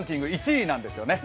１位なんですよね。